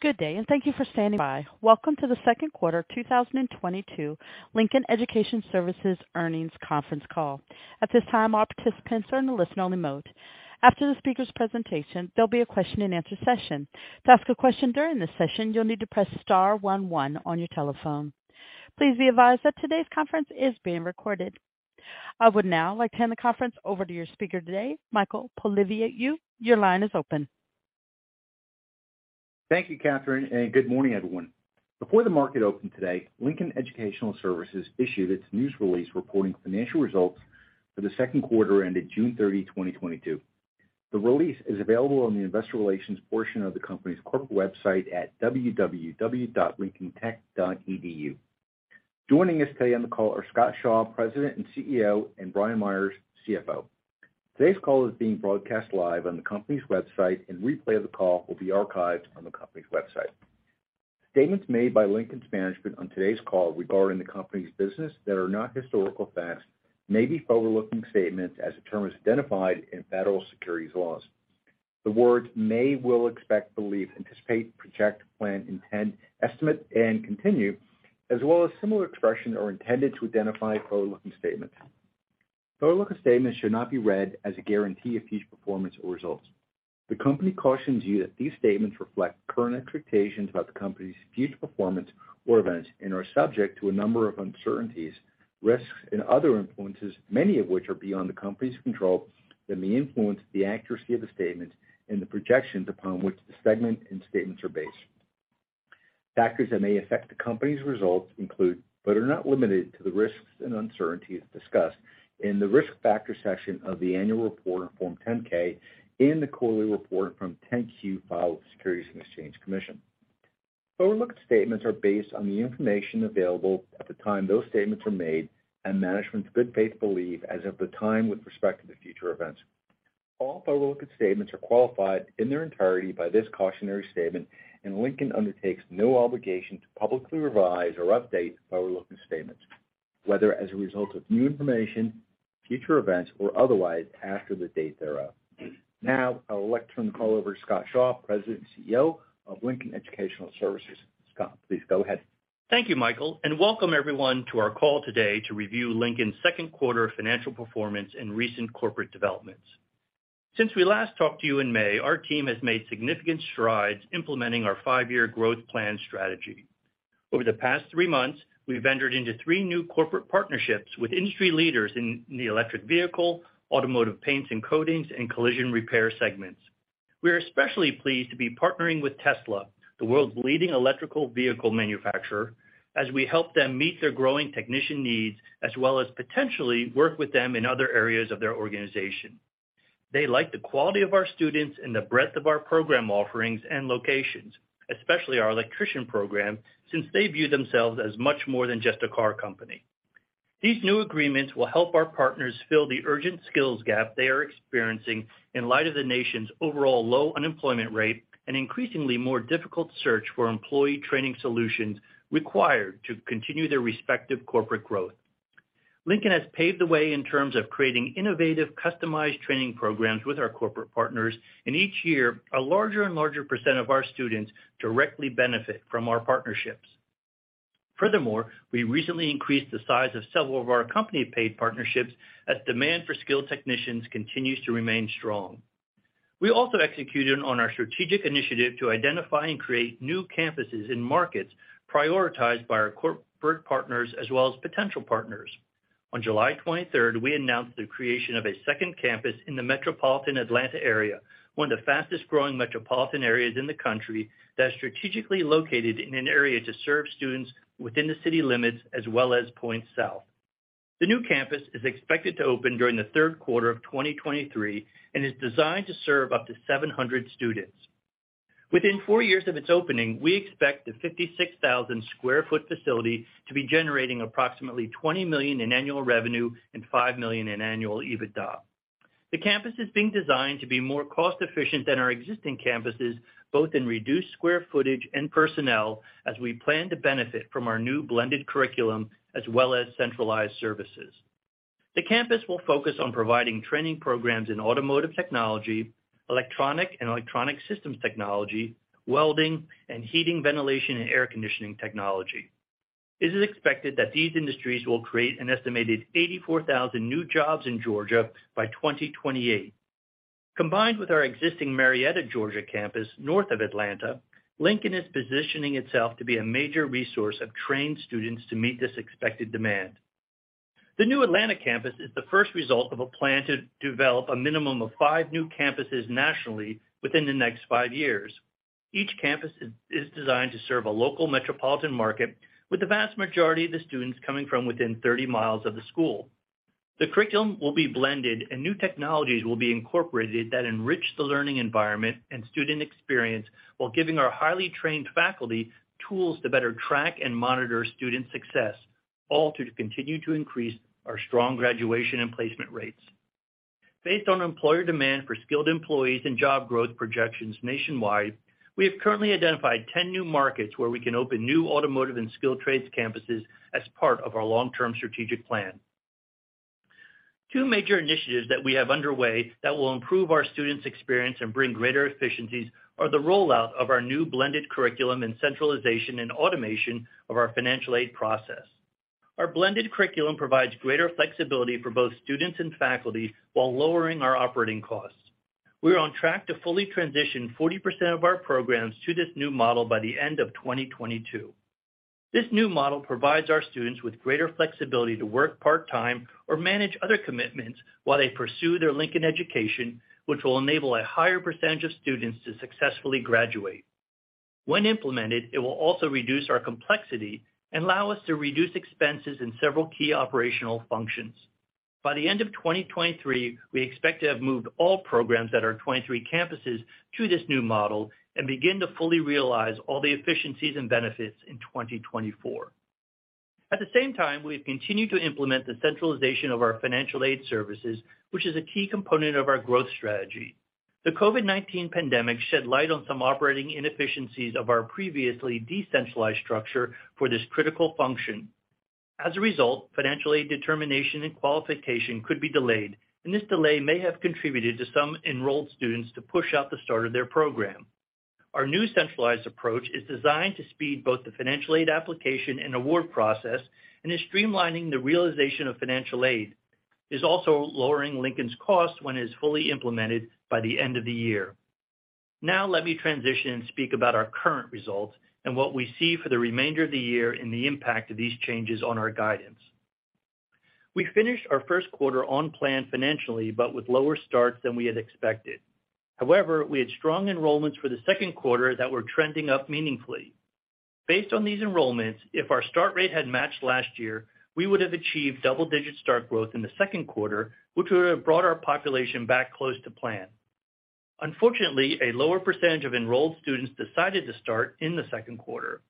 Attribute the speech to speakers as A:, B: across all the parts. A: Good day, and thank you for standing by. Welcome to the Second Quarter 2022 Lincoln Educational Services Earnings Conference Call. At this time, all participants are in a listen-only mode. After the speaker's presentation, there'll be a Question-and-Answer Session. To ask a question during this session, you'll need to press star one one on your telephone. Please be advised that today's conference is being recorded. I would now like to hand the conference over to your speaker today, Michael Polyviou. Your line is open.
B: Thank you, Catherine, and good morning, everyone. Before the market opened today, Lincoln Educational Services issued its news release reporting financial results for the second quarter ended 30 June 2022. The release is available on the investor relations portion of the company's corporate website at www.lincolntech.edu. Joining us today on the call are Scott Shaw, President and CEO, and Brian Meyers, CFO. Today's call is being broadcast live on the company's website, and replay of the call will be archived on the company's website. Statements made by Lincoln's management on today's call regarding the company's business that are not historical facts may be forward-looking statements as the term is identified in federal securities laws. The words may, will, expect, believe, anticipate, project, plan, intend, estimate, and continue, as well as similar expressions, are intended to identify forward-looking statements. Forward-looking statements should not be read as a guarantee of future performance or results. The company cautions you that these statements reflect current expectations about the company's future performance or events and are subject to a number of uncertainties, risks, and other influences, many of which are beyond the company's control that may influence the accuracy of the statements and the projections upon which the segment and statements are based. Factors that may affect the company's results include, but are not limited to, the risks and uncertainties discussed in the Risk Factors section of the annual report in Form 10-K and the quarterly report from 10-Q filed with the Securities and Exchange Commission. Forward-looking statements are based on the information available at the time those statements were made and management's good faith belief as of the time with respect to the future events. All forward-looking statements are qualified in their entirety by this cautionary statement, and Lincoln undertakes no obligation to publicly revise or update forward-looking statements, whether as a result of new information, future events or otherwise after the date thereof. Now, I would like to turn the call over to Scott Shaw, President and CEO of Lincoln Educational Services. Scott, please go ahead.
C: Thank you, Michael, and welcome everyone to our call today to review Lincoln's second quarter financial performance and recent corporate developments. Since we last talked to you in May, our team has made significant strides implementing our five-year growth plan strategy. Over the past three months, we've entered into three new corporate partnerships with industry leaders in the electric vehicle, automotive paints and coatings, and collision repair segments. We are especially pleased to be partnering with Tesla, the world's leading electric vehicle manufacturer, as we help them meet their growing technician needs as well as potentially work with them in other areas of their organization. They like the quality of our students and the breadth of our program offerings and locations, especially our electrician program, since they view themselves as much more than just a car company. These new agreements will help our partners fill the urgent skills gap they are experiencing in light of the nation's overall low unemployment rate and increasingly more difficult search for employee training solutions required to continue their respective corporate growth. Lincoln has paved the way in terms of creating innovative, customized training programs with our corporate partners, and each year, a larger and larger percent of our students directly benefit from our partnerships. Furthermore, we recently increased the size of several of our company paid partnerships as demand for skilled technicians continues to remain strong. We also executed on our strategic initiative to identify and create new campuses in markets prioritized by our corporate partners as well as potential partners. On 23 July, we announced the creation of a second campus in the metropolitan Atlanta area, one of the fastest-growing metropolitan areas in the country that's strategically located in an area to serve students within the city limits as well as points south. The new campus is expected to open during the third quarter of 2023 and is designed to serve up to 700 students. Within four years of its opening, we expect the 56,000 sq ft facility to be generating approximately $20 million in annual revenue and $5 million in annual EBITDA. The campus is being designed to be more cost-efficient than our existing campuses, both in reduced square footage and personnel as we plan to benefit from our new blended curriculum as well as centralized services. The campus will focus on providing training programs in automotive technology, electronics and electrical systems technology, welding, and heating, ventilation, and air conditioning technology. It is expected that these industries will create an estimated 84,000 new jobs in Georgia by 2028. Combined with our existing Marietta, Georgia campus north of Atlanta, Lincoln is positioning itself to be a major resource of trained students to meet this expected demand. The new Atlanta campus is the first result of a plan to develop a minimum of five new campuses nationally within the next five years. Each campus is designed to serve a local metropolitan market, with the vast majority of the students coming from within 30 miles of the school. The curriculum will be blended, and new technologies will be incorporated that enrich the learning environment and student experience while giving our highly trained faculty tools to better track and monitor student success, all to continue to increase our strong graduation and placement rates. Based on employer demand for skilled employees and job growth projections nationwide, we have currently identified 10 new markets where we can open new automotive and skilled trades campuses as part of our long-term strategic plan. Two major initiatives that we have underway that will improve our students' experience and bring greater efficiencies are the rollout of our new blended curriculum and centralization and automation of our financial aid process. Our blended curriculum provides greater flexibility for both students and faculty while lowering our operating costs. We're on track to fully transition 40% of our programs to this new model by the end of 2022. This new model provides our students with greater flexibility to work part-time or manage other commitments while they pursue their Lincoln education, which will enable a higher percentage of students to successfully graduate. When implemented, it will also reduce our complexity and allow us to reduce expenses in several key operational functions. By the end of 2023, we expect to have moved all programs at our 23 campuses to this new model and begin to fully realize all the efficiencies and benefits in 2024. At the same time, we've continued to implement the centralization of our financial aid services, which is a key component of our growth strategy. The COVID-19 pandemic shed light on some operating inefficiencies of our previously decentralized structure for this critical function. As a result, financial aid determination and qualification could be delayed, and this delay may have contributed to some enrolled students to push out the start of their program. Our new centralized approach is designed to speed both the financial aid application and award process and is streamlining the realization of financial aid, is also lowering Lincoln's cost when it is fully implemented by the end of the year. Now let me transition and speak about our current results and what we see for the remainder of the year and the impact of these changes on our guidance. We finished our first quarter on plan financially, but with lower starts than we had expected. However, we had strong enrollments for the second quarter that were trending up meaningfully. Based on these enrollments, if our start rate had matched last year, we would have achieved double-digit start growth in the second quarter, which would have brought our population back close to plan. Unfortunately, a lower percentage of enrolled students decided to start in the second quarter.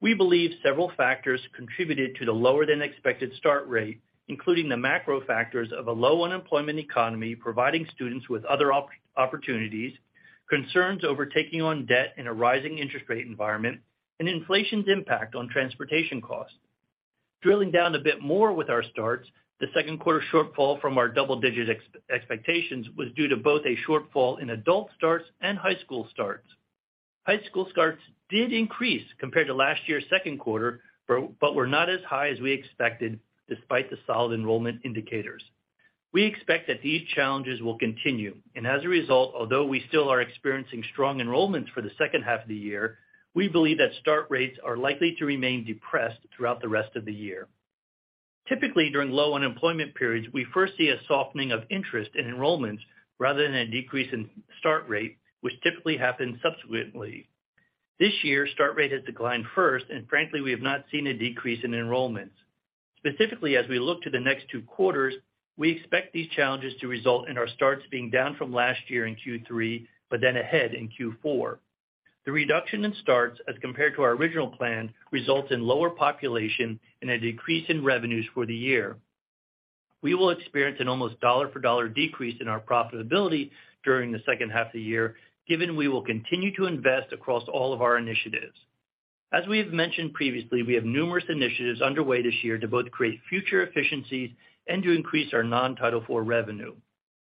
C: We believe several factors contributed to the lower-than-expected start rate, including the macro factors of a low unemployment economy providing students with other opportunities, concerns over taking on debt in a rising interest rate environment, and inflation's impact on transportation costs. Drilling down a bit more with our starts, the second quarter shortfall from our double-digit expectations was due to both a shortfall in adult starts and high school starts. High school starts did increase compared to last year's second quarter but were not as high as we expected despite the solid enrollment indicators. We expect that these challenges will continue, and as a result, although we still are experiencing strong enrollments for the second half of the year, we believe that start rates are likely to remain depressed throughout the rest of the year. Typically, during low unemployment periods, we first see a softening of interest in enrollments rather than a decrease in start rate, which typically happens subsequently. This year, start rate has declined first, and frankly, we have not seen a decrease in enrollments. Specifically, as we look to the next two quarters, we expect these challenges to result in our starts being down from last year in Q3, but then ahead in Q4. The reduction in starts as compared to our original plan results in lower population and a decrease in revenues for the year. We will experience an almost dollar-for-dollar decrease in our profitability during the second half of the year, given we will continue to invest across all of our initiatives. As we have mentioned previously, we have numerous initiatives underway this year to both create future efficiencies and to increase our non-Title IV revenue.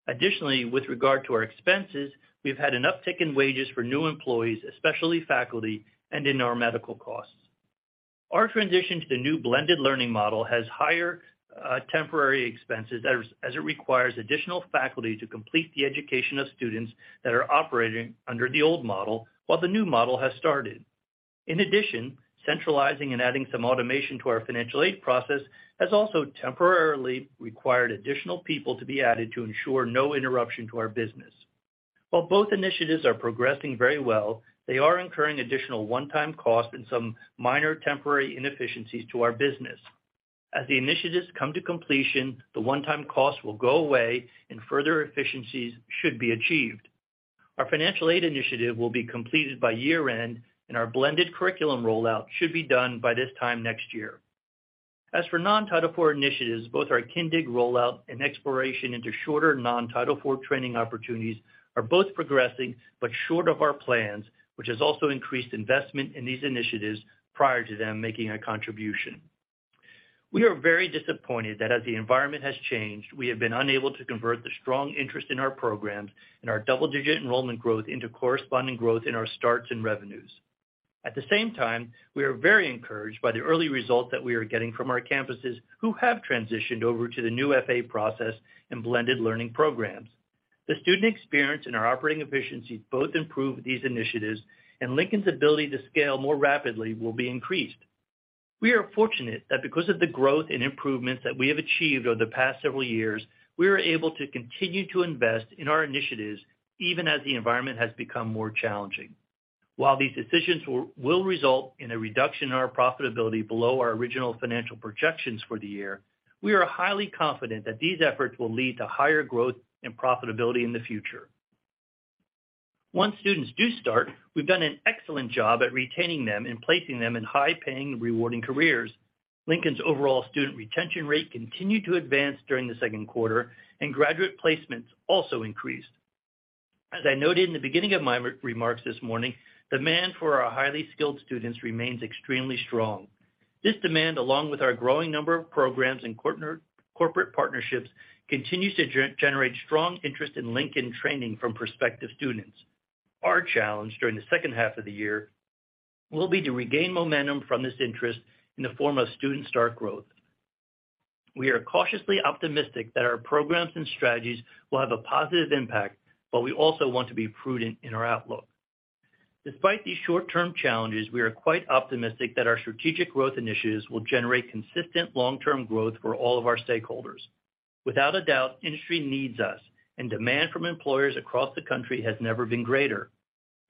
C: Additionally, with regard to our expenses, we've had an uptick in wages for new employees, especially faculty, and in our medical costs. Our transition to the new blended learning model has higher temporary expenses as it requires additional faculty to complete the education of students that are operating under the old model while the new model has started. In addition, centralizing and adding some automation to our financial aid process has also temporarily required additional people to be added to ensure no interruption to our business. While both initiatives are progressing very well, they are incurring additional one-time costs and some minor temporary inefficiencies to our business. As the initiatives come to completion, the one-time costs will go away and further efficiencies should be achieved. Our financial aid initiative will be completed by year-end, and our blended curriculum rollout should be done by this time next year. As for non-Title IV initiatives, both our Kyndryl rollout and exploration into shorter non-Title IV training opportunities are both progressing but short of our plans, which has also increased investment in these initiatives prior to them making a contribution. We are very disappointed that as the environment has changed, we have been unable to convert the strong interest in our programs and our double-digit enrollment growth into corresponding growth in our starts and revenues. At the same time, we are very encouraged by the early results that we are getting from our campuses who have transitioned over to the new FA process and blended learning programs. The student experience and our operating efficiencies both improve these initiatives, and Lincoln's ability to scale more rapidly will be increased. We are fortunate that because of the growth and improvements that we have achieved over the past several years, we are able to continue to invest in our initiatives even as the environment has become more challenging. While these decisions will result in a reduction in our profitability below our original financial projections for the year, we are highly confident that these efforts will lead to higher growth and profitability in the future. Once students do start, we've done an excellent job at retaining them and placing them in high-paying and rewarding careers. Lincoln's overall student retention rate continued to advance during the second quarter, and graduate placements also increased. As I noted in the beginning of my remarks this morning, demand for our highly skilled students remains extremely strong. This demand, along with our growing number of programs and corporate partnerships, continues to generate strong interest in Lincoln training from prospective students. Our challenge during the second half of the year will be to regain momentum from this interest in the form of student start growth. We are cautiously optimistic that our programs and strategies will have a positive impact, but we also want to be prudent in our outlook. Despite these short-term challenges, we are quite optimistic that our strategic growth initiatives will generate consistent long-term growth for all of our stakeholders. Without a doubt, industry needs us, and demand from employers across the country has never been greater.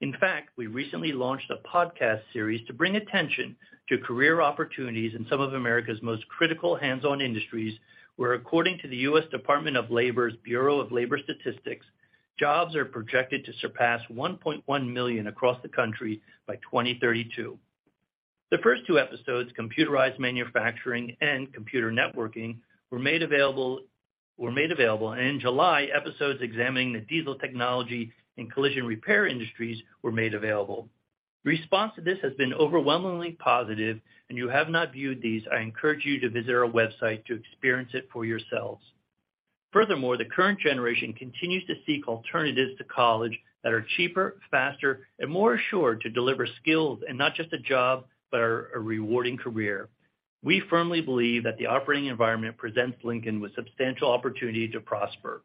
C: In fact, we recently launched a podcast series to bring attention to career opportunities in some of America's most critical hands-on industries, where according to the U.S. Department of Labor's Bureau of Labor Statistics, jobs are projected to surpass 1.1 million across the country by 2032. The first two episodes, computerized manufacturing and computer networking, were made available, and in July, episodes examining the diesel technology and collision repair industries were made available. Response to this has been overwhelmingly positive, and if you have not viewed these, I encourage you to visit our website to experience it for yourselves. Furthermore, the current generation continues to seek alternatives to college that are cheaper, faster, and more assured to deliver skills and not just a job, but a rewarding career. We firmly believe that the operating environment presents Lincoln with substantial opportunity to prosper.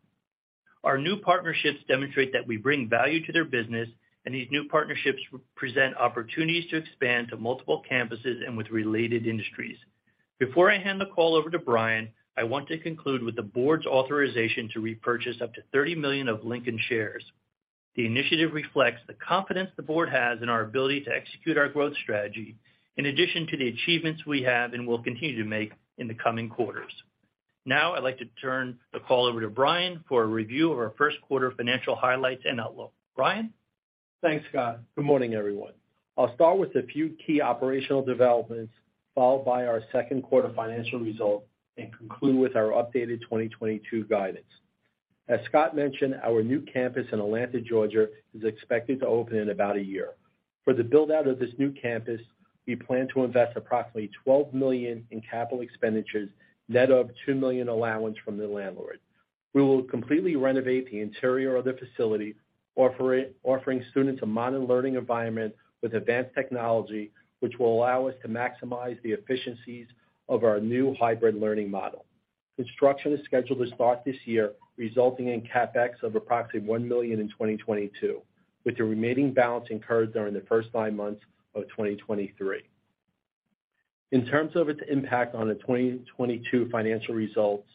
C: Our new partnerships demonstrate that we bring value to their business, and these new partnerships present opportunities to expand to multiple campuses and with related industries. Before I hand the call over to Brian, I want to conclude with the board's authorization to repurchase up to 30 million of Lincoln shares. The initiative reflects the confidence the board has in our ability to execute our growth strategy in addition to the achievements we have and will continue to make in the coming quarters. Now I'd like to turn the call over to Brian for a review of our first quarter financial highlights and outlook. Brian?
D: Thanks, Scott. Good morning, everyone. I'll start with a few key operational developments, followed by our second quarter financial results, and conclude with our updated 2022 guidance. As Scott mentioned, our new campus in Atlanta, Georgia, is expected to open in about a year. For the build-out of this new campus, we plan to invest approximately $12 million in capital expenditures, net of $2 million allowance from the landlord. We will completely renovate the interior of the facility, offering students a modern learning environment with advanced technology, which will allow us to maximize the efficiencies of our new hybrid learning model. Construction is scheduled to start this year, resulting in CapEx of approximately $1 million in 2022, with the remaining balance incurred during the first nine months of 2023. In terms of its impact on the 2022 financial results,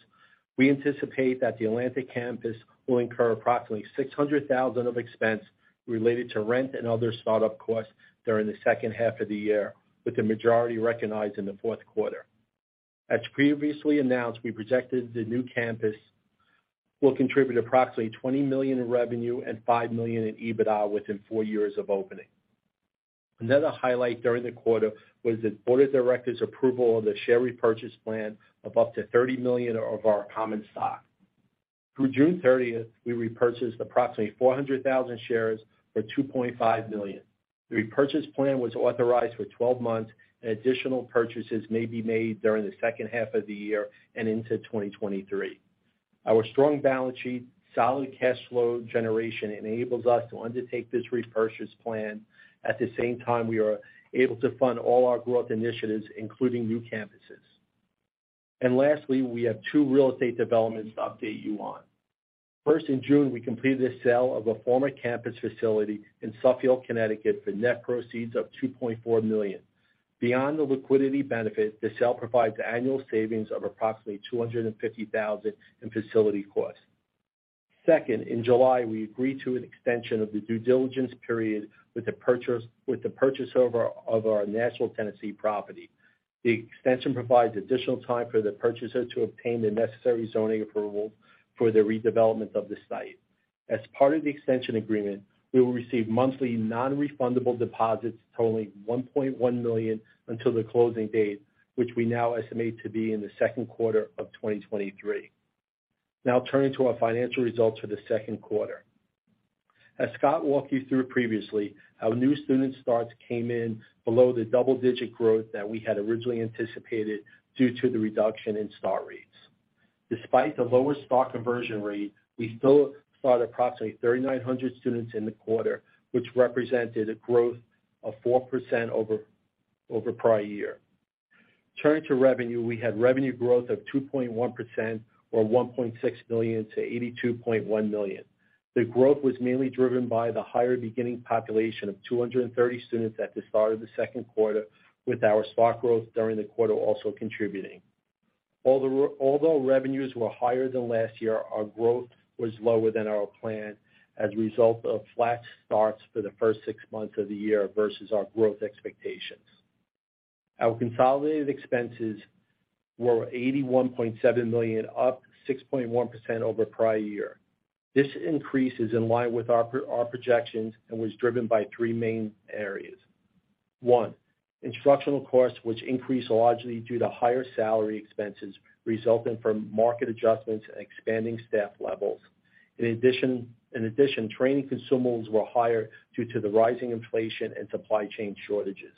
D: we anticipate that the Atlanta campus will incur approximately $600,000 of expense related to rent and other start-up costs during the second half of the year, with the majority recognized in the fourth quarter. As previously announced, we projected the new campus will contribute approximately $20 million in revenue and $5 million in EBITDA within four years of opening. Another highlight during the quarter was the board of directors approval of the share repurchase plan of up to $30 million of our common stock. Through June thirtieth, we repurchased approximately 400,000 shares for $2.5 million. The repurchase plan was authorized for 12 months, and additional purchases may be made during the second half of the year and into 2023. Our strong balance sheet, solid cash flow generation enables us to undertake this repurchase plan. At the same time, we are able to fund all our growth initiatives, including new campuses. Lastly, we have two real estate developments to update you on. First, in June, we completed the sale of a former campus facility in Suffield, Connecticut, for net proceeds of $2.4 million. Beyond the liquidity benefit, the sale provides annual savings of approximately $250 thousand in facility costs. Second, in July, we agreed to an extension of the due diligence period with the purchaser of our Nashville, Tennessee, property. The extension provides additional time for the purchaser to obtain the necessary zoning approval for the redevelopment of the site. As part of the extension agreement, we will receive monthly non-refundable deposits totaling $1.1 million until the closing date, which we now estimate to be in the second quarter of 2023. Now turning to our financial results for the second quarter. As Scott walked you through previously, our new student starts came in below the double-digit growth that we had originally anticipated due to the reduction in start rates. Despite the lower start conversion rate, we still started approximately 3,900 students in the quarter, which represented a growth of 4% over prior year. Turning to revenue, we had revenue growth of 2.1% or $1.6 million to $82.1 million. The growth was mainly driven by the higher beginning population of 230 students at the start of the second quarter, with our start growth during the quarter also contributing. Although revenues were higher than last year, our growth was lower than our plan as a result of flat starts for the first six months of the year versus our growth expectations. Our consolidated expenses were $81.7 million, up 6.1% over prior year. This increase is in line with our projections and was driven by three main areas. One, instructional costs, which increased largely due to higher salary expenses resulting from market adjustments and expanding staff levels. In addition, training consumables were higher due to the rising inflation and supply chain shortages.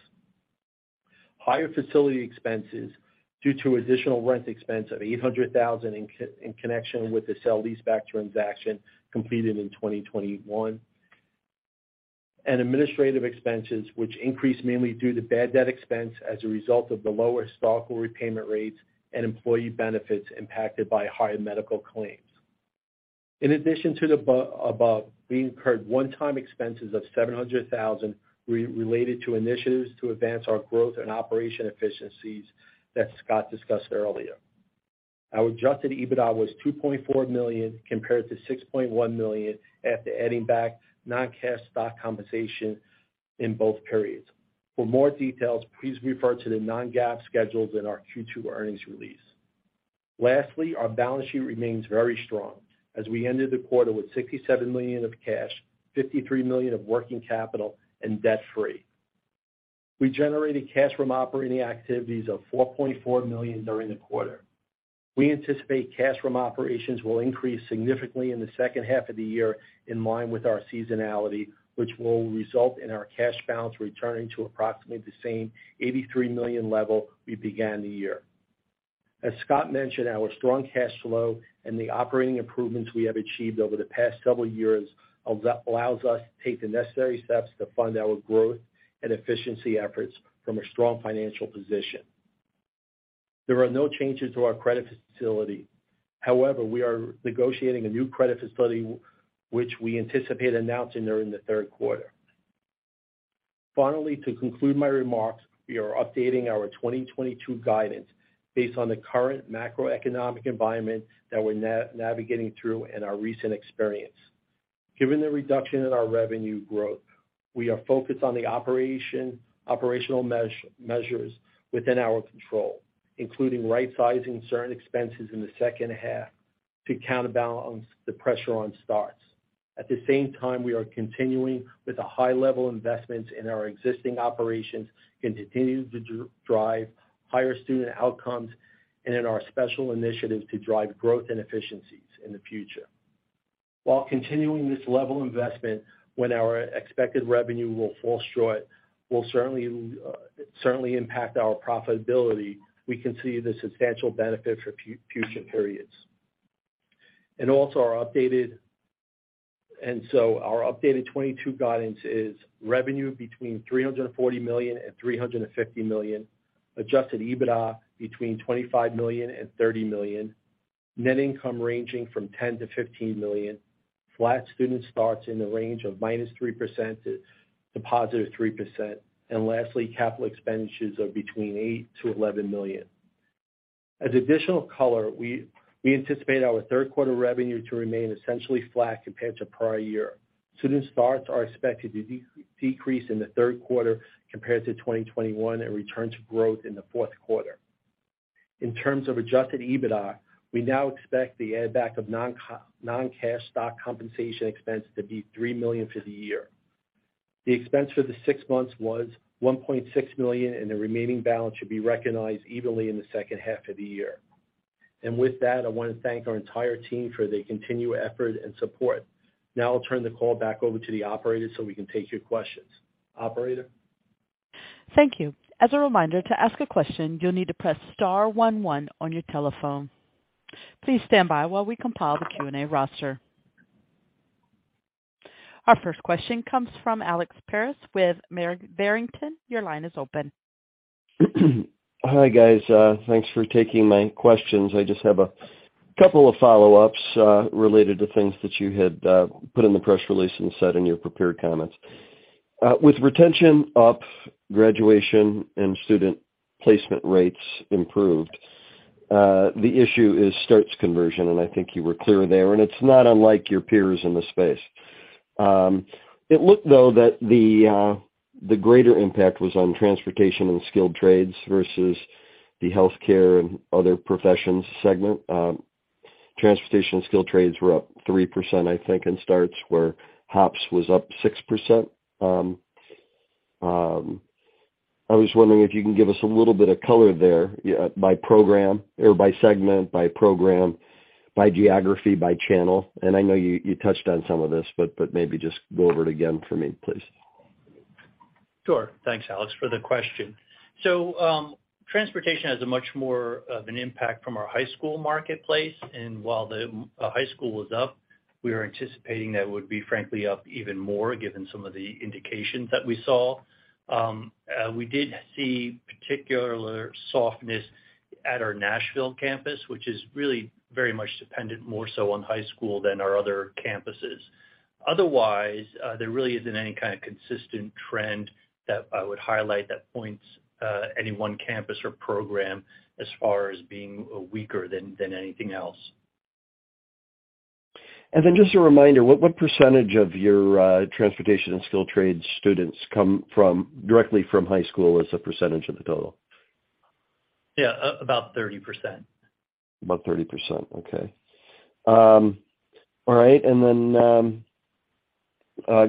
D: Higher facility expenses due to additional rent expense of $800 thousand in connection with the sale-leaseback transaction completed in 2021. Administrative expenses, which increased mainly due to bad debt expense as a result of the lower historical repayment rates and employee benefits impacted by higher medical claims. In addition to the above, we incurred one-time expenses of $700 thousand related to initiatives to advance our growth and operational efficiencies that Scott discussed earlier. Our adjusted EBITDA was $2.4 million compared to $6.1 million after adding back non-cash stock compensation in both periods. For more details, please refer to the non-GAAP schedules in our Q2 earnings release. Lastly, our balance sheet remains very strong as we ended the quarter with $67 million of cash, $53 million of working capital and debt-free. We generated cash from operating activities of $4.4 million during the quarter. We anticipate cash from operations will increase significantly in the second half of the year in line with our seasonality, which will result in our cash balance returning to approximately the same $83 million level we began the year. As Scott mentioned, our strong cash flow and the operating improvements we have achieved over the past couple years allows us to take the necessary steps to fund our growth and efficiency efforts from a strong financial position. There are no changes to our credit facility. However, we are negotiating a new credit facility, which we anticipate announcing during the third quarter. Finally, to conclude my remarks, we are updating our 2022 guidance based on the current macroeconomic environment that we're navigating through and our recent experience. Given the reduction in our revenue growth, we are focused on the operational measures within our control, including right-sizing certain expenses in the second half to counterbalance the pressure on starts. At the same time, we are continuing with the high level investments in our existing operations and continue to drive higher student outcomes and in our special initiatives to drive growth and efficiencies in the future. While continuing this level investment when our expected revenue will fall short will certainly impact our profitability, we can see the substantial benefit for future periods. Also our updated. Our updated 2022 guidance is revenue between $340 million and $350 million, adjusted EBITDA between $25 million and $30 million, net income ranging from $10 million to $15 million, flat student starts in the range of -3% to +3%. Capital expenditures of between $8 million to $11 million. As additional color, we anticipate our third quarter revenue to remain essentially flat compared to prior year. Student starts are expected to decrease in the third quarter compared to 2021 and return to growth in the fourth quarter. In terms of adjusted EBITDA, we now expect the add back of non-cash stock compensation expense to be $3 million for the year. The expense for the six months was $1.6 million, and the remaining balance should be recognized evenly in the second half of the year. With that, I want to thank our entire team for their continued effort and support. Now I'll turn the call back over to the operator so we can take your questions. Operator?
A: Thank you. As a reminder, to ask a question, you'll need to press star one one on your telephone. Please stand by while we compile the Q&A roster. Our first question comes from Alex Paris with Barrington Research. Your line is open.
E: Hi, guys, thanks for taking my questions. I just have a couple of follow-ups, related to things that you had, put in the press release and said in your prepared comments. With retention up, graduation and student placement rates improved, the issue is starts conversion, and I think you were clear there, and it's not unlike your peers in the space. It looked though that the greater impact was on Transportation and Skilled Trades versus the Healthcare and Other Professions segment. Transportation and Skilled Trades were up 3%, I think, in starts, where HOPS was up 6%. I was wondering if you can give us a little bit of color there by program or by segment, by program, by geography, by channel. I know you touched on some of this, but maybe just go over it again for me, please.
C: Sure. Thanks, Alex, for the question. Transportation has a much more of an impact from our high school marketplace. While the high school was up, we are anticipating that it would be frankly up even more given some of the indications that we saw. We did see particular softness at our Nashville campus, which is really very much dependent more so on high school than our other campuses. Otherwise, there really isn't any kind of consistent trend that I would highlight that points any one campus or program as far as being weaker than anything else.
E: Just a reminder, what percentage of your Transportation and Skilled Trades students come directly from high school as a percentage of the total?
C: Yeah, about 30%.
E: About 30%. Okay. All right.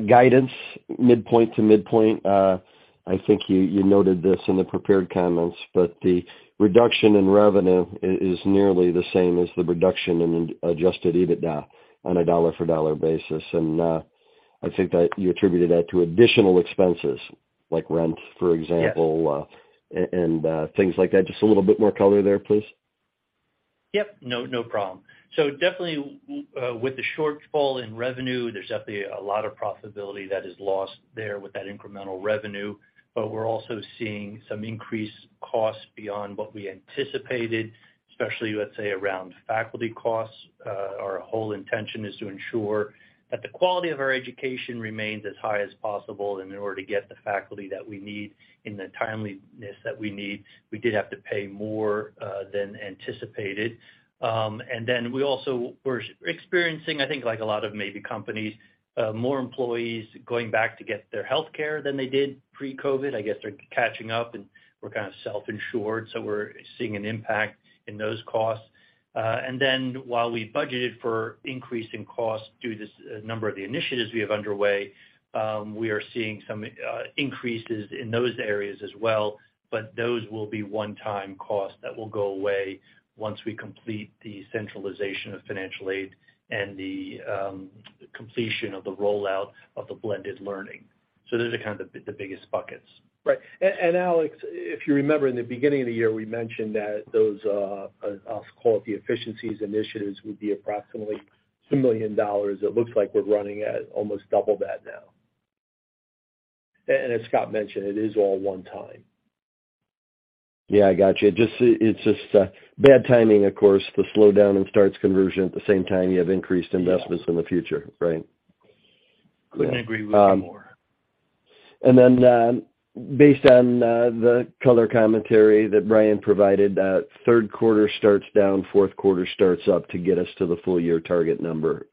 E: Guidance, midpoint to midpoint, I think you noted this in the prepared comments, but the reduction in revenue is nearly the same as the reduction in adjusted EBITDA on a dollar-for-dollar basis. I think that you attributed that to additional expenses like rent, for example-
C: Yes
E: Things like that. Just a little bit more color there, please.
C: Yep. No, no problem. Definitely with the shortfall in revenue, there's definitely a lot of profitability that is lost there with that incremental revenue. We're also seeing some increased costs beyond what we anticipated, especially, let's say, around faculty costs. Our whole intention is to ensure that the quality of our education remains as high as possible. In order to get the faculty that we need in the timeliness that we need, we did have to pay more than anticipated. Then we also were experiencing, I think, like a lot of maybe companies, more employees going back to get their healthcare than they did pre-COVID. I guess they're catching up, and we're kind of self-insured, so we're seeing an impact in those costs. While we budgeted for increase in cost due to this number of the initiatives we have underway, we are seeing some increases in those areas as well. Those will be one-time costs that will go away once we complete the centralization of financial aid and the completion of the rollout of the blended learning. Those are kind of the biggest buckets.
D: Right. Alex, if you remember in the beginning of the year, we mentioned that those quality efficiencies initiatives would be approximately $2 million. It looks like we're running at almost double that now. As Scott mentioned, it is all one time.
E: Yeah, I got you. It's just bad timing, of course, the slowdown in starts conversion at the same time you have increased investments in the future.
C: Yeah
E: Right?
C: Couldn't agree with you more.
E: Based on the color commentary that Brian provided, third quarter starts down, fourth quarter starts up to get us to the full year target number.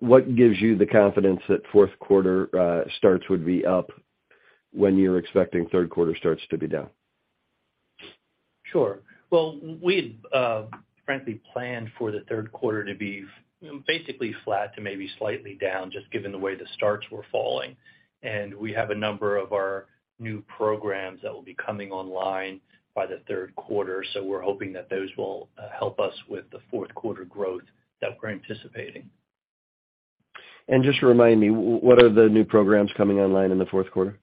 E: What gives you the confidence that fourth quarter starts would be up when you're expecting third quarter starts to be down?
C: Sure. Well, we had frankly planned for the third quarter to be basically flat to maybe slightly down, just given the way the starts were falling. We have a number of our new programs that will be coming online by the third quarter. We're hoping that those will help us with the fourth quarter growth that we're anticipating.
E: Just remind me, what are the new programs coming online in the fourth quarter?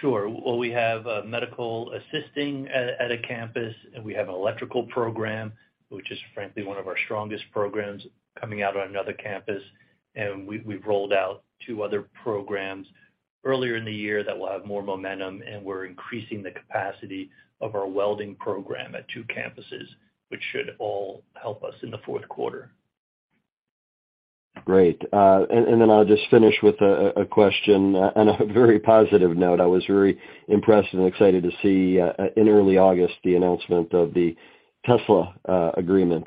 C: Sure. Well, we have medical assisting at a campus, and we have an electrical program, which is frankly one of our strongest programs coming out on another campus. We've rolled out two other programs earlier in the year that will have more momentum, and we're increasing the capacity of our welding program at two campuses, which should all help us in the fourth quarter.
E: Great. Then I'll just finish with a question on a very positive note. I was very impressed and excited to see in early August the announcement of the Tesla agreement.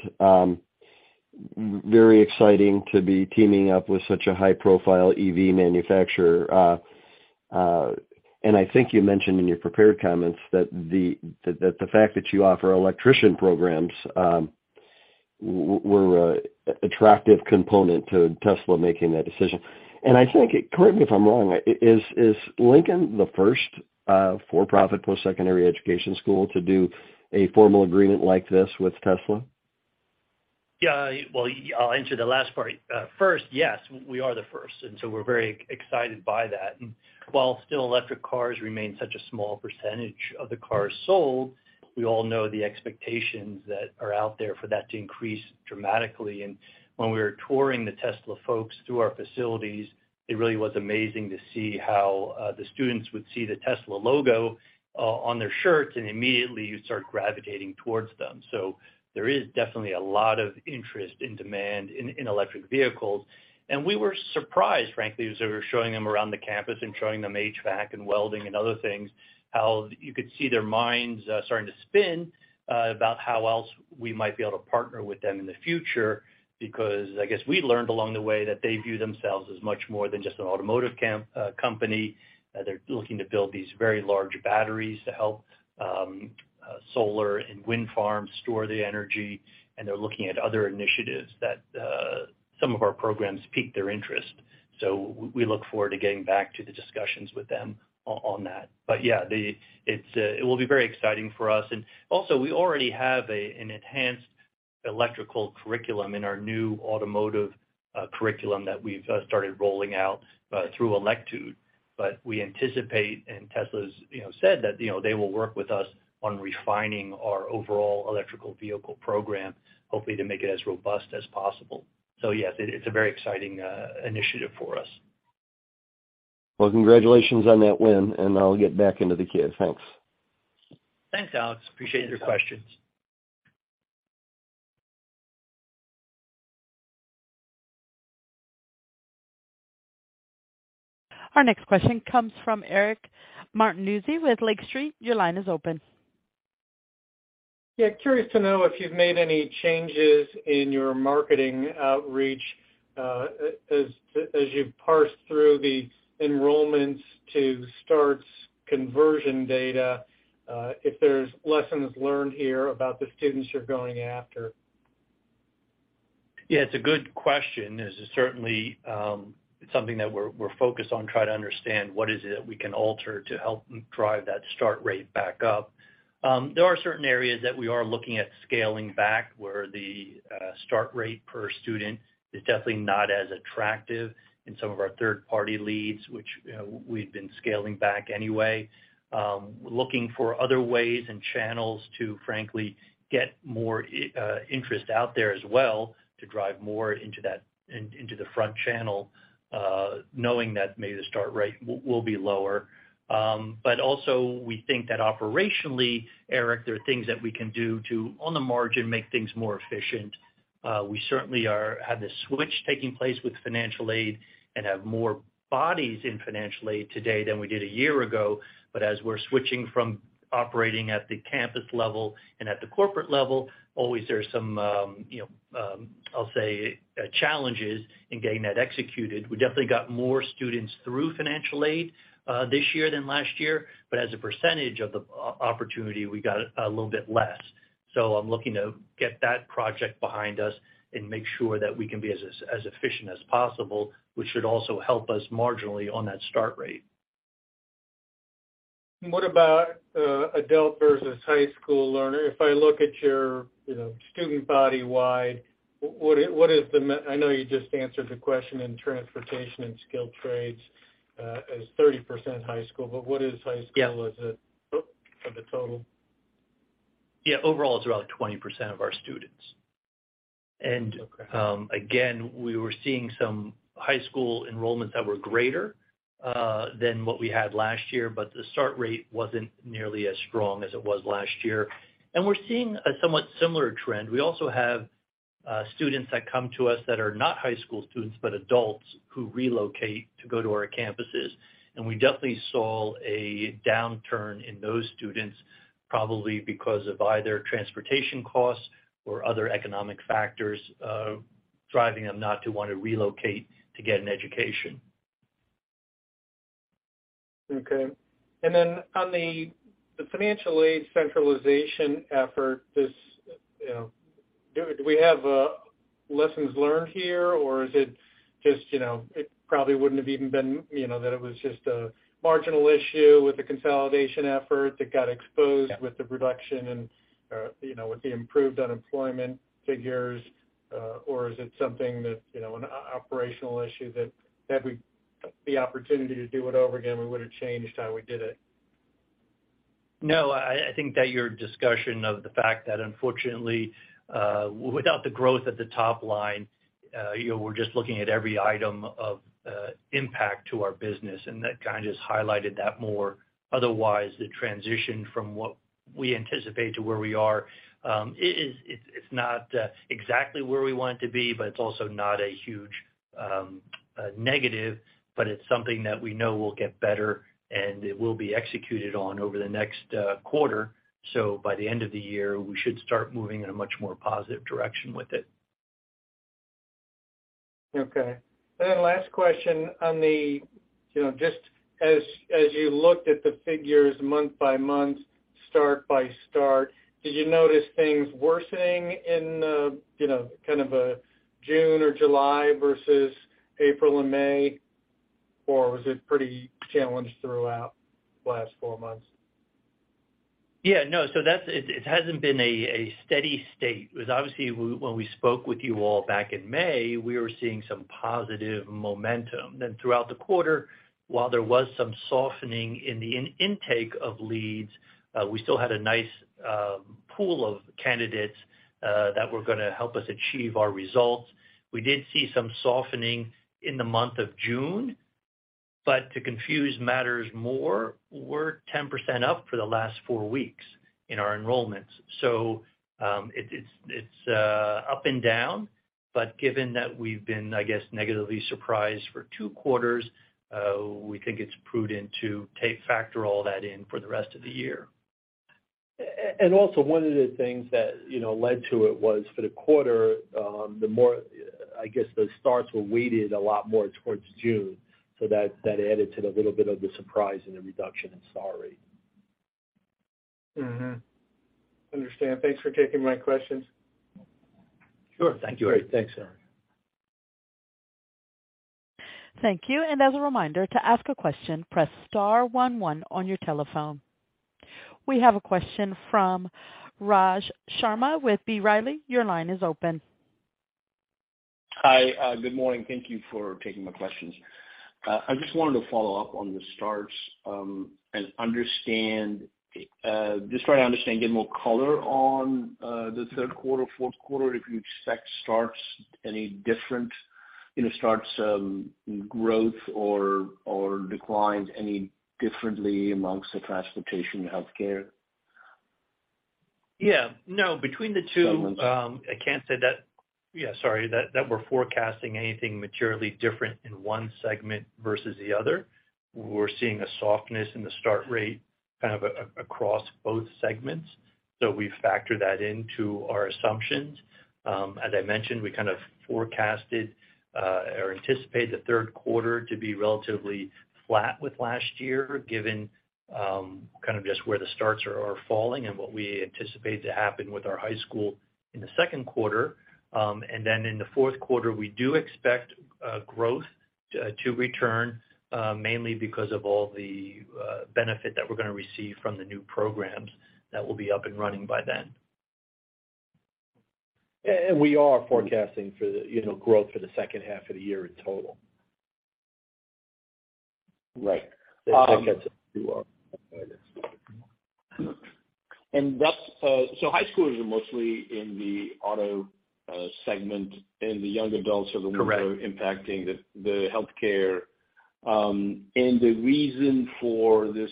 E: Very exciting to be teaming up with such a high-profile EV manufacturer. I think you mentioned in your prepared comments that the fact that you offer electrician programs were an attractive component to Tesla making that decision. I think, correct me if I'm wrong, is Lincoln the first for-profit post-secondary education school to do a formal agreement like this with Tesla?
C: Yeah. Well, I'll answer the last part. First, yes, we are the first, and so we're very excited by that. While still electric cars remain such a small percentage of the cars sold, we all know the expectations that are out there for that to increase dramatically. When we were touring the Tesla folks through our facilities, it really was amazing to see how the students would see the Tesla logo on their shirts, and immediately you start gravitating towards them. There is definitely a lot of interest and demand in electric vehicles. We were surprised, frankly, as we were showing them around the campus and showing them HVAC and welding and other things, how you could see their minds starting to spin about how else we might be able to partner with them in the future, because I guess we learned along the way that they view themselves as much more than just an automotive company. They're looking to build these very large batteries to help solar and wind farms store the energy. They're looking at other initiatives that some of our programs pique their interest. We look forward to getting back to the discussions with them on that. Yeah, it will be very exciting for us. We already have an enhanced electrical curriculum in our new automotive curriculum that we've started rolling out through Electude. We anticipate, and Tesla's, you know, said that, you know, they will work with us on refining our overall electric vehicle program, hopefully to make it as robust as possible. Yeah, it's a very exciting initiative for us.
E: Well, congratulations on that win, and I'll get back into the queue. Thanks.
C: Thanks, Alex. Appreciate your questions.
A: Our next question comes from Eric Martinuzzi with Lake Street. Your line is open.
F: Yeah. Curious to know if you've made any changes in your marketing outreach, as you parse through the enrollments to starts conversion data, if there's lessons learned here about the students you're going after?
C: Yeah, it's a good question. This is certainly something that we're focused on trying to understand what is it that we can alter to help drive that start rate back up. There are certain areas that we are looking at scaling back, where the start rate per student is definitely not as attractive in some of our third-party leads, which, you know, we've been scaling back anyway. Looking for other ways and channels to frankly get more interest out there as well, to drive more into that into the front channel, knowing that maybe the start rate will be lower. But also we think that operationally, Eric, there are things that we can do to, on the margin, make things more efficient. We certainly are having this switch taking place with financial aid and have more bodies in financial aid today than we did a year ago. As we're switching from operating at the campus level and at the corporate level, always there's some, you know, I'll say challenges in getting that executed. We definitely got more students through financial aid, this year than last year, but as a percentage of the opportunity, we got a little bit less. I'm looking to get that project behind us and make sure that we can be as efficient as possible, which should also help us marginally on that start rate.
F: What about adult versus high school learner? If I look at your, you know, student body wide, I know you just answered the question in Transportation and Skilled Trades as 30% high school, but what is high school-
C: Yeah.
F: as a [inaudible] %of a total?
C: Yeah. Overall, it's around 20% of our students.
F: Okay.
C: Again, we were seeing some high school enrollments that were greater than what we had last year, but the start rate wasn't nearly as strong as it was last year. We're seeing a somewhat similar trend. We also have students that come to us that are not high school students, but adults who relocate to go to our campuses. We definitely saw a downturn in those students, probably because of either transportation costs or other economic factors driving them not to want to relocate to get an education.
F: Okay. On the financial aid centralization effort, this, you know, do we have lessons learned here, or is it just, you know, it probably wouldn't have even been, you know, that it was just a marginal issue with the consolidation effort that got exposed?
C: Yeah.
F: With the reduction in, you know, with the improved unemployment figures, or is it something that, you know, an operational issue that, had we the opportunity to do it over again, we would've changed how we did it?
C: No, I think that your discussion of the fact that unfortunately, without the growth at the top line, you know, we're just looking at every item of impact to our business, and that kind of just highlighted that more. Otherwise, the transition from what we anticipate to where we are, it's not exactly where we want it to be, but it's also not a huge negative. But it's something that we know will get better, and it will be executed on over the next quarter. By the end of the year, we should start moving in a much more positive direction with it.
F: Okay. Last question. On the, you know, just as you looked at the figures month by month, start by start, did you notice things worsening in the, you know, kind of a June or July versus April and May, or was it pretty challenged throughout the last four months?
C: Yeah. No. It hasn't been a steady state. It was obviously when we spoke with you all back in May, we were seeing some positive momentum. Throughout the quarter, while there was some softening in the intake of leads, we still had a nice pool of candidates that were gonna help us achieve our results. We did see some softening in the month of June, but to confuse matters more, we're 10% up for the last four weeks in our enrollments. It's up and down. Given that we've been, I guess, negatively surprised for two quarters, we think it's prudent to factor all that in for the rest of the year.
D: Also one of the things that, you know, led to it was for the quarter, the starts were weighted a lot more towards June, so that added to the little bit of the surprise and the reduction in start rate.
F: Understand. Thanks for taking my questions.
C: Sure. Thank you, Eric.
D: Great. Thanks, Eric.
A: Thank you. As a reminder, to ask a question, press star one on your telephone. We have a question from Raj Sharma with B. Riley. Your line is open.
G: Hi. Good morning. Thank you for taking my questions. I just wanted to follow up on the starts and get more color on the third quarter, fourth quarter. If you'd set starts any different, you know, growth or declines any differently among the Transportation, Healthcare.
C: Yeah. No, between the two.
G: Government.
C: I can't say that. Yeah, sorry, that we're forecasting anything materially different in one segment versus the other. We're seeing a softness in the start rate kind of across both segments. We factor that into our assumptions. As I mentioned, we kind of anticipate the third quarter to be relatively flat with last year, given kind of just where the starts are falling and what we anticipate to happen with our high school in the second quarter. In the fourth quarter, we do expect growth to return, mainly because of all the benefit that we're gonna receive from the new programs that will be up and running by then.
G: We are forecasting for the, you know, growth for the second half of the year in total. Right. High schoolers are mostly in the auto segment, and the young adults are-
C: Correct.
G: The ones that are impacting the healthcare. The reason for this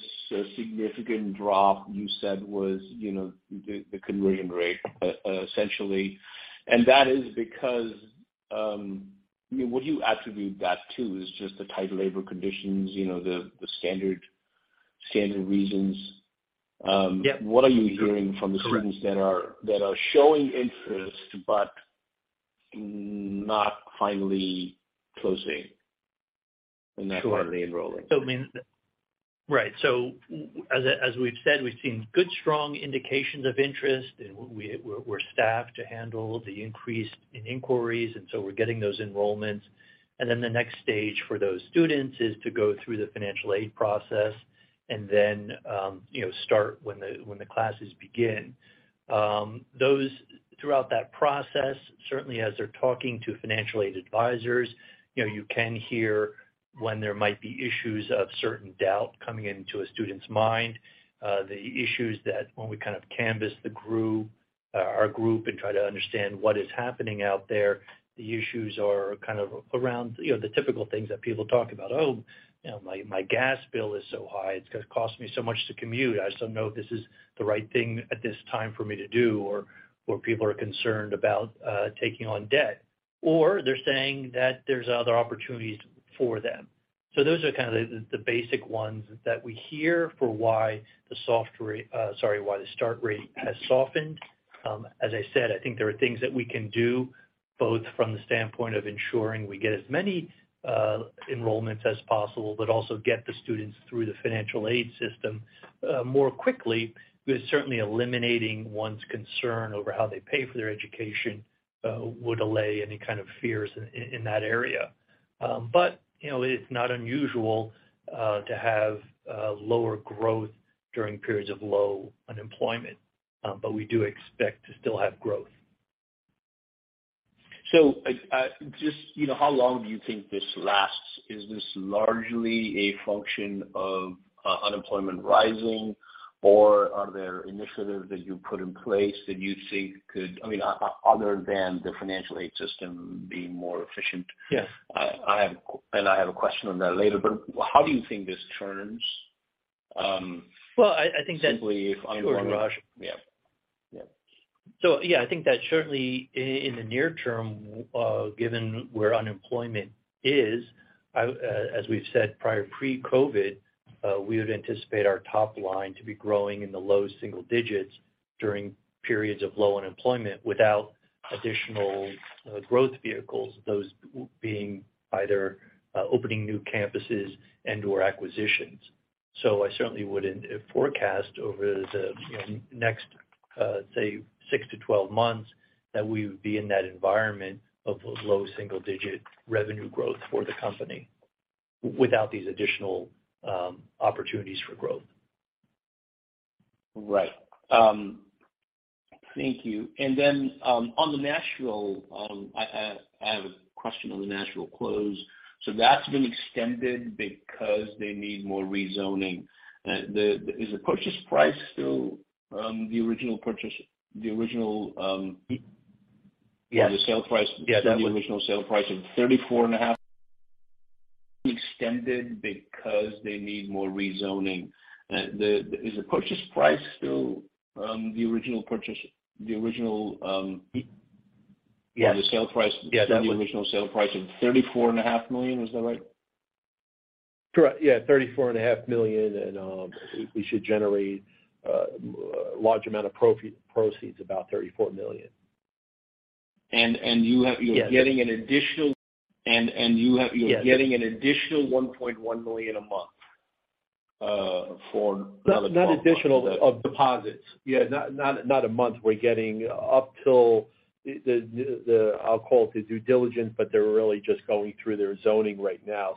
G: significant drop, you said was, you know, the conversion rate, essentially. That is because, I mean, what do you attribute that to? Is it just the tight labor conditions, you know, the standard reasons?
C: Yeah.
G: What are you hearing from the students?
C: Correct.
G: that are showing interest but not finally closing and not
C: Sure.
G: finally enrolling?
C: As we've said, we've seen good, strong indications of interest, and we're staffed to handle the increase in inquiries, and so we're getting those enrollments. Then the next stage for those students is to go through the financial aid process and then start when the classes begin. Throughout that process, certainly as they're talking to financial aid advisors, you can hear when there might be issues of certain doubt coming into a student's mind. The issues that when we kind of canvass the group, our group and try to understand what is happening out there, the issues are kind of around the typical things that people talk about. My gas bill is so high, it's gonna cost me so much to commute. I just don't know if this is the right thing at this time for me to do, or people are concerned about taking on debt. They're saying that there's other opportunities for them. Those are kind of the basic ones that we hear for why the start rate has softened. As I said, I think there are things that we can do, both from the standpoint of ensuring we get as many enrollments as possible, but also get the students through the financial aid system more quickly. Certainly eliminating one's concern over how they pay for their education would allay any kind of fears in that area. You know, it's not unusual to have lower growth during periods of low unemployment. We do expect to still have growth.
G: Just, you know, how long do you think this lasts? Is this largely a function of unemployment rising, or are there initiatives that you put in place that you think could, I mean, other than the financial aid system being more efficient.
C: Yes.
G: I have a question on that later, but how do you think this turns
C: Well, I think that.
G: Simply, if unemployment.
C: Sure, Raj.
G: Yeah. Yeah.
C: Yeah, I think that certainly in the near term, given where unemployment is, I was, as we've said prior, pre-COVID, we would anticipate our top line to be growing in the low single digits during periods of low unemployment without additional growth vehicles, those being either opening new campuses and/or acquisitions. I certainly wouldn't forecast over the, you know, next, say, 6-12 months that we would be in that environment of those low single-digit revenue growth for the company without these additional opportunities for growth.
G: Right. Thank you. On the Nashville, I have a question on the Nashville close. That's been extended because they need more rezoning. Is the purchase price still the original purchase?
C: Yes.
G: The sale price.
C: Yes, that was.
G: The original sale price of $34.5 extended because they need more rezoning. Is the purchase price still the original purchase?
C: Yes.
G: The sale price.
C: Yes, that was.
G: The original sale price of $34.5 million, is that right?
D: Correct. Yeah, $34.5 million and we should generate large amount of proceeds, about $34 million.
G: You have.
C: Yes.
G: You are getting an additional. You have
C: Yes.
G: You are getting an additional $1.1 million a month.
D: Not, not additional-
G: Of deposits.
D: Yeah. Not a month. We're getting up till the. I'll call it the due diligence, but they're really just going through their zoning right now.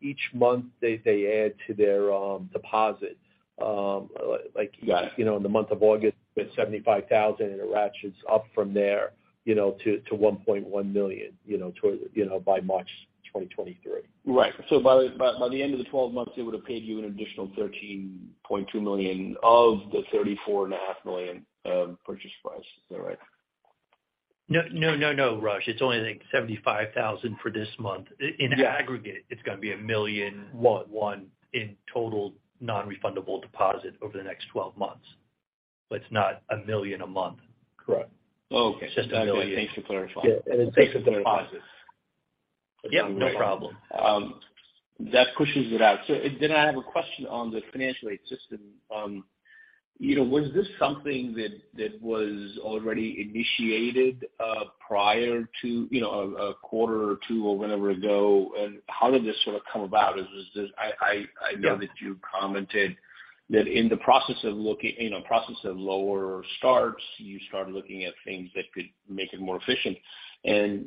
D: Each month they add to their deposit. Like-
G: Got it.
D: You know, in the month of August, it's $75,000, and it ratchets up from there, you know, to $1.1 million, you know, toward, you know, by March 2023.
G: Right. By the end of the 12 months, they would have paid you an additional $13.2 million of the $34.5 million purchase price. Is that right?
C: No, no, Raj. It's only, I think, $75,000 for this month.
G: Yeah.
C: In aggregate, it's gonna be $1 million.
G: One.
C: $1 million total non-refundable deposit over the next 12 months. It's not $1 million a month.
D: Correct.
G: Okay. It's just $1 million.
C: It takes to clarify.
D: Yeah. It takes to clarify.
G: Okay.
C: Yep, no problem.
G: That pushes it out. I have a question on the financial aid system. You know, was this something that was already initiated prior to, you know, a quarter or two or whenever ago? How did this sort of come about? Is this
C: Yeah.
G: I know that you commented that in the process of looking, you know, process of lower starts, you start looking at things that could make it more efficient.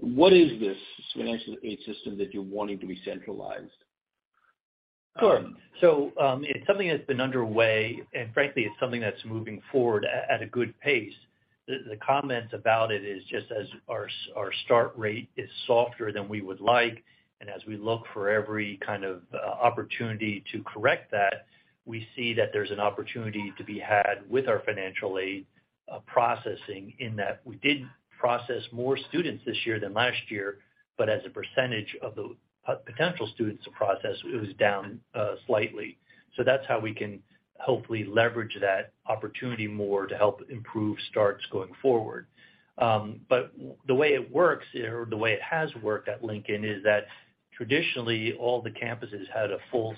G: What is this financial aid system that you're wanting to be centralized?
C: Sure. It's something that's been underway, and frankly, it's something that's moving forward at a good pace. The comments about it is just as our start rate is softer than we would like, and as we look for every kind of opportunity to correct that, we see that there's an opportunity to be had with our financial aid processing in that we did process more students this year than last year, but as a percentage of the potential students to process, it was down slightly. That's how we can hopefully leverage that opportunity more to help improve starts going forward. The way it works or the way it has worked at Lincoln is that traditionally all the campuses had a full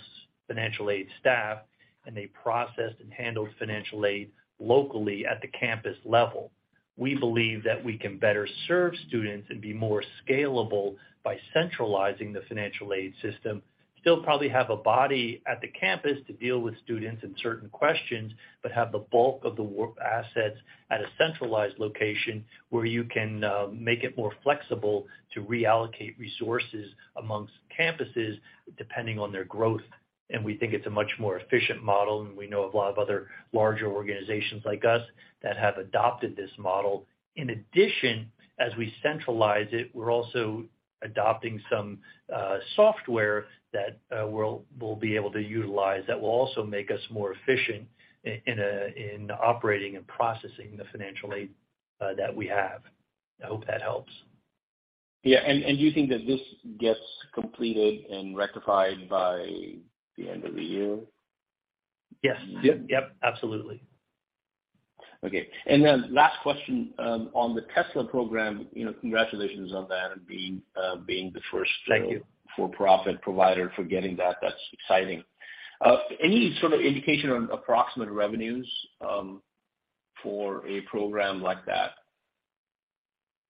C: financial aid staff, and they processed and handled financial aid locally at the campus level. We believe that we can better serve students and be more scalable by centralizing the financial aid system. Still probably have a body at the campus to deal with students and certain questions, but have the bulk of the work assets at a centralized location where you can make it more flexible to reallocate resources among campuses depending on their growth. We think it's a much more efficient model, and we know a lot of other larger organizations like us that have adopted this model. In addition, as we centralize it, we're also adopting some software that we'll be able to utilize that will also make us more efficient in operating and processing the financial aid that we have. I hope that helps.
G: Yeah. You think that this gets completed and rectified by the end of the year?
C: Yes.
D: Yeah.
C: Yep, absolutely.
G: Okay. Last question, on the Tesla program, you know, congratulations on that and being the first.
C: Thank you.
G: -for-profit provider for getting that. That's exciting. Any sort of indication on approximate revenues for a program like that?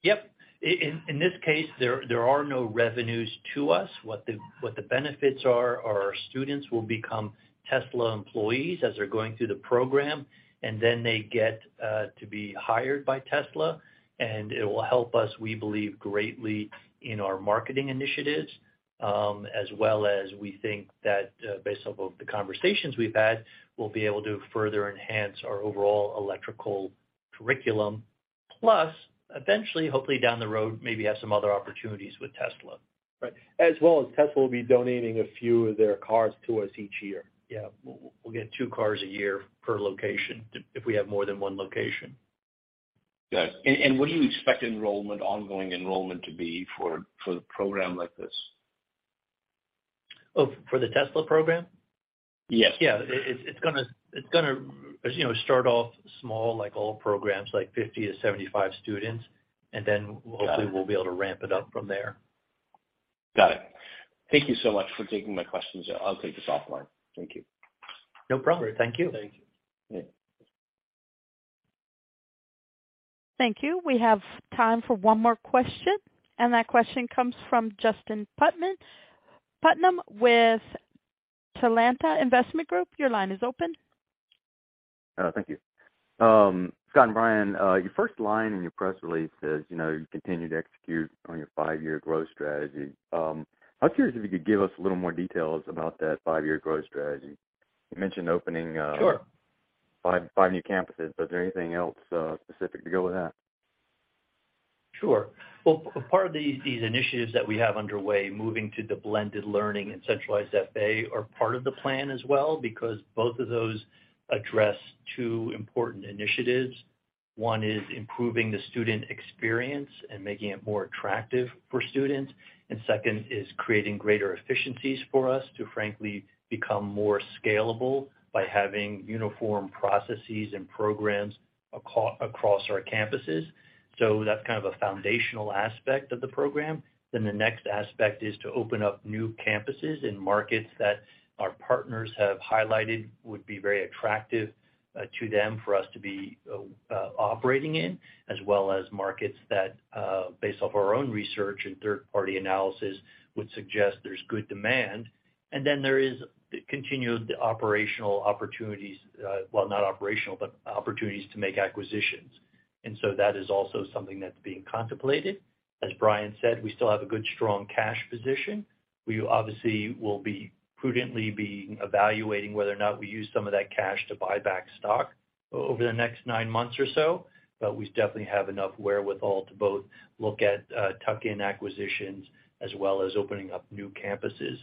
C: Yep. In this case, there are no revenues to us. What the benefits are, our students will become Tesla employees as they're going through the program, and then they get to be hired by Tesla, and it will help us, we believe, greatly in our marketing initiatives, as well as we think that, based off of the conversations we've had, we'll be able to further enhance our overall electrical curriculum. Plus, eventually, hopefully down the road, maybe have some other opportunities with Tesla.
D: Right. As well as Tesla will be donating a few of their cars to us each year.
C: Yeah. We'll get two cars a year per location if we have more than one location.
G: Got it. What do you expect enrollment, ongoing enrollment to be for a program like this?
C: Oh, for the Tesla program?
G: Yes.
C: Yeah. It's gonna, as you know, start off small like all programs, like 50-75 students, and then-
G: Got it.
C: Hopefully we'll be able to ramp it up from there.
G: Got it. Thank you so much for taking my questions. I'll take this offline. Thank you.
C: No problem. Thank you.
D: Thank you.
C: Yeah.
A: Thank you. We have time for one more question, and that question comes from Justyn Putnam with Talanta Investment Group. Your line is open.
H: Thank you. Scott and Brian, your first line in your press release says, you know, you continue to execute on your five-year growth strategy. I was curious if you could give us a little more details about that five-year growth strategy. You mentioned opening,
C: Sure.
H: 25, five new campuses, is there anything else specific to go with that?
C: Sure. Well, part of these initiatives that we have underway, moving to the blended learning and centralized FA are part of the plan as well because both of those address two important initiatives. One is improving the student experience and making it more attractive for students. Second is creating greater efficiencies for us to frankly become more scalable by having uniform processes and programs across our campuses. That's kind of a foundational aspect of the program. The next aspect is to open up new campuses in markets that our partners have highlighted would be very attractive to them for us to be operating in, as well as markets that based off our own research and third-party analysis would suggest there's good demand. There is the continued operational opportunities, well, not operational, but opportunities to make acquisitions. That is also something that's being contemplated. As Brian said, we still have a good, strong cash position. We obviously will be prudently evaluating whether or not we use some of that cash to buy back stock over the next nine months or so, but we definitely have enough wherewithal to both look at tuck-in acquisitions as well as opening up new campuses,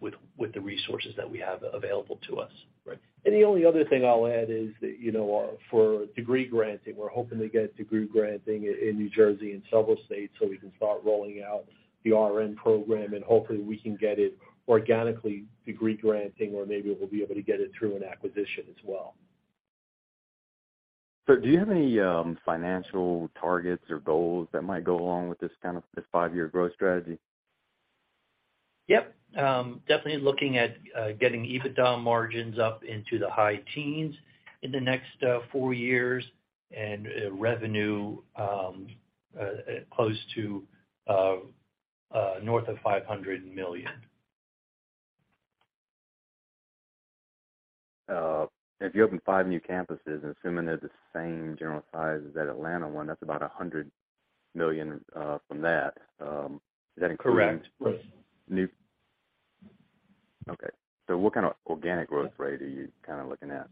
C: with the resources that we have available to us.
D: Right. The only other thing I'll add is that, you know, for degree granting, we're hoping to get degree granting in New Jersey and several states so we can start rolling out the RN program, and hopefully we can get it organically degree granting, or maybe we'll be able to get it through an acquisition as well.
H: Do you have any financial targets or goals that might go along with this kind of five-year growth strategy?
C: Yep. Definitely looking at getting EBITDA margins up into the high teens in the next four years and revenue close to north of $500 million.
H: If you open five new campuses, assuming they're the same general size as that Atlanta one, that's about $100 million from that.
C: Correct.
H: Okay. What kind of organic growth rate are you kinda looking at?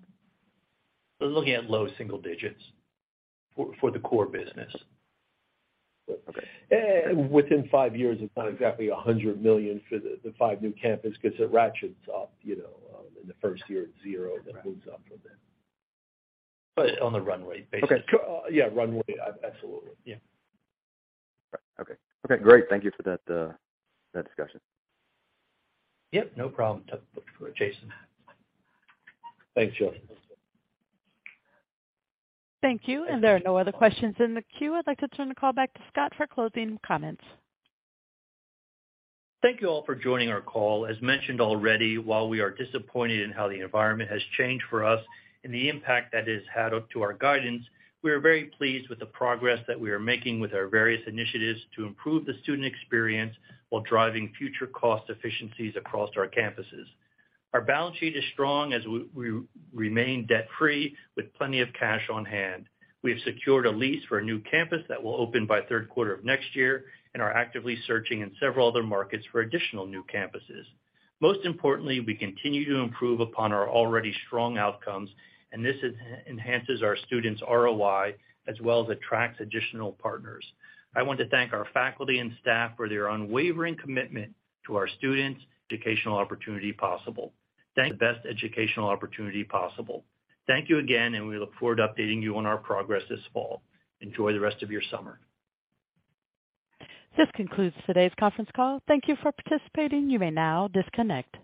C: We're looking at low single digits for the core business.
H: Okay.
D: Within five years, it's not exactly $100 million for the five new campus 'cause it ratchets up, you know, in the first year at zero.
H: Right.
D: moves up a bit.
C: On the runway basically.
H: Okay.
D: Yeah, runway. Absolutely. Yeah.
H: Okay. Okay, great. Thank you for that discussion.
C: Yep, no problem, Justin.
D: Thanks, Justin.
A: Thank you. There are no other questions in the queue. I'd like to turn the call back to Scott for closing comments.
C: Thank you all for joining our call. As mentioned already, while we are disappointed in how the environment has changed for us and the impact that has had up to our guidance, we are very pleased with the progress that we are making with our various initiatives to improve the student experience while driving future cost efficiencies across our campuses. Our balance sheet is strong as we remain debt-free with plenty of cash on hand. We have secured a lease for a new campus that will open by third quarter of next year and are actively searching in several other markets for additional new campuses. Most importantly, we continue to improve upon our already strong outcomes, and this enhances our students' ROI as well as attracts additional partners. I want to thank our faculty and staff for their unwavering commitment to our students' educational opportunity possible. Best educational opportunity possible. Thank you again, and we look forward to updating you on our progress this Fall. Enjoy the rest of your Summer.
A: This concludes today's conference call. Thank you for participating. You may now disconnect.